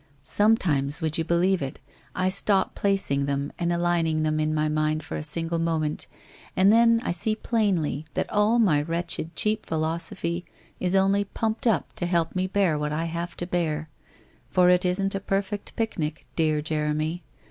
Sometimes would you believe it, I stop placing them and aligning them in my mind for a single moment, and then I see plainly that all my wretched cheap philosophy is only pumped up to help me to bear what I have to bear. For it isn't a perfect picnic, dear Jeremy.